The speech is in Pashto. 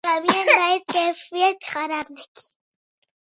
کمیت باید کیفیت خراب نکړي